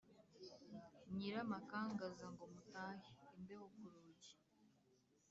Nyiramakangaza ngo mutahe Imbeho ku rugi